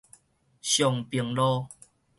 松平路